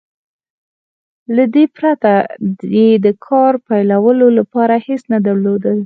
له دې پرته يې د کار پيلولو لپاره هېڅ نه درلودل.